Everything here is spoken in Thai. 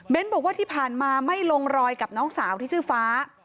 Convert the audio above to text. บอกว่าที่ผ่านมาไม่ลงรอยกับน้องสาวที่ชื่อฟ้า